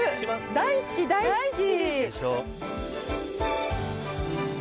大好き大好き！